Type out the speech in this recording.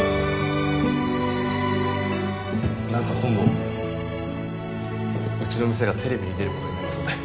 なんか今度うちの店がテレビに出る事になりそうで。